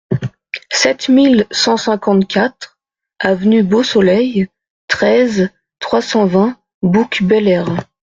sept mille cent cinquante-quatre avenue Beausoleil, treize, trois cent vingt, Bouc-Bel-Air